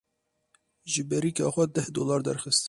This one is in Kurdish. Ji bêrîka xwe deh dolar derxist.